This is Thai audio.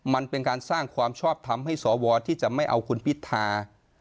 มันเป็นการสร้างความชอบทำให้สวที่จะไม่เอาคุณพิธา